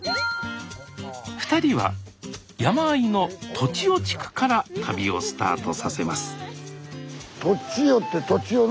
２人は山あいの栃尾地区から旅をスタートさせます栃尾？